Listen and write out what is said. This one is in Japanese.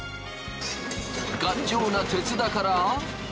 頑丈な鉄だから。